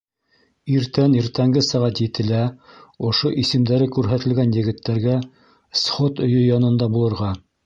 — Иртән иртәнге сәғәт етелә ошо исемдәре күрһәтелгән егеттәргә сход өйө янында булырға.